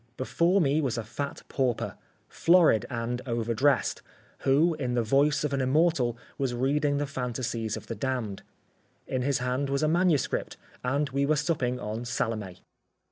Before me was a fat pauper, florid and over dressed, who, in the voice of an immortal, was reading the fantasies of the damned. In his hand was a manuscript, and we were supping on "Salome."